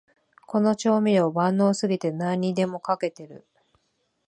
この調味料、万能すぎて何にでもかけてる